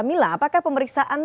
mila apakah pemeriksaan